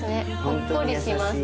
ほっこりします。